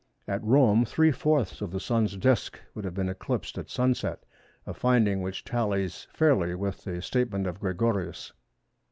At Rome three fourths of the Sun's disc would have been eclipsed at sunset, a finding which tallies fairly with the statement of Gregorius.